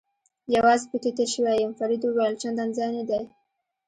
یوازې پکې تېر شوی یم، فرید وویل: چندان ځای نه دی.